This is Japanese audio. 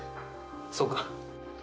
そうか。